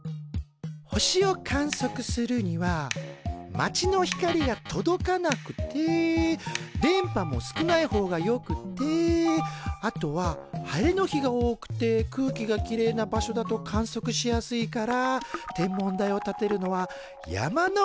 星を観測するには街の光が届かなくて電波も少ない方がよくてあとは晴れの日が多くて空気がきれいな場所だと観測しやすいから天文台を建てるのは山の上が一番なんだよ。